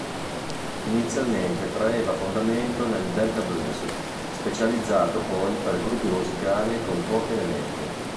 Inizialmente traeva fondamento nel Delta blues, specializzato poi per gruppi musicali con pochi elementi.